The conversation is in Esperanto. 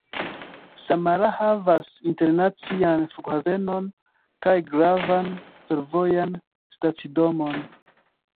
Samara havas internacian flughavenon kaj gravan fervojan stacidomon.